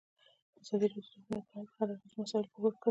ازادي راډیو د هنر په اړه د هر اړخیزو مسایلو پوښښ کړی.